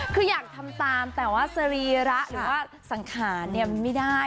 คืออยากทำตามแต่ว่าสรีระหรือว่าสังขารเนี่ยมันไม่ได้